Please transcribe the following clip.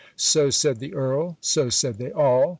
So said the earl; so said they all.